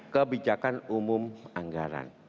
kebijakan umum anggaran